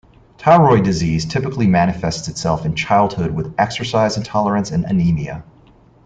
Tarui disease typically manifests itself in childhood with exercise intolerance and anaemia.